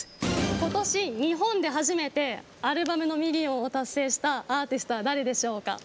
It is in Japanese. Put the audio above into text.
今年日本で初めてアルバムのミリオンを達成したアーティストは誰でしょうか？